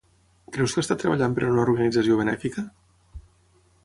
Creus que està treballant per a una organització benèfica?